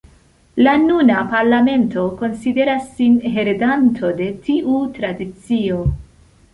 La nuna parlamento konsideras sin heredanto de tiu tradicio.